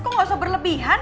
kok gak usah berlebihan